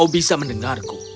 kau bisa mendengarku